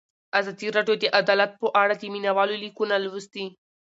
ازادي راډیو د عدالت په اړه د مینه والو لیکونه لوستي.